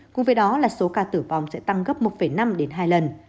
cùng với đó là số ca tử vong sẽ tăng gấp một năm đến hai lần